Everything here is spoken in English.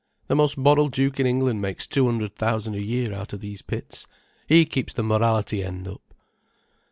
The most moral duke in England makes two hundred thousand a year out of these pits. He keeps the morality end up."